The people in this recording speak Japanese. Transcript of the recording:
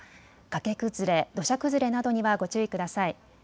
崖崩れ、土砂崩れなどにはご注意ください。